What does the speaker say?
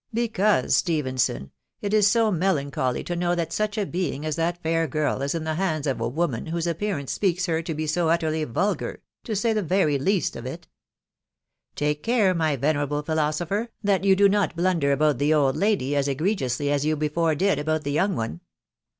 "" Because, Stephenson, ia ia so melancholy to know that such a being as that fair girl is in the hands of a. woman whose ap pearance speaks her to be so utterly vulgar,* to say the nery least of iL." " Take care, my venerable philosopher, that you, da not blunder about the old lady as egregpw&ly as you, before did about the young one.